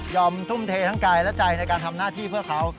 ทุ่มเททั้งกายและใจในการทำหน้าที่เพื่อเขา